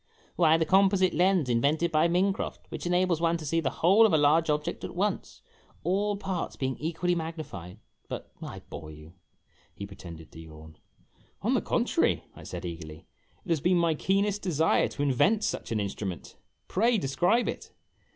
"Why, the composite lens invented by Mincroft, which enables one to see the whole of a large object at once, all parts being equally magnified but I bore you ?" He pretended to yawn. " On the contrary," I said, eagerly, " it has been my keenest desire to invent such an instrument. Pray describe it